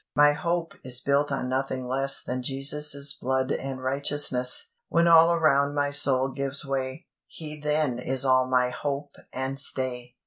"My hope is built on nothing less Than Jesus' blood and righteousness; When all around my soul gives way, He then is all my Hope and Stay."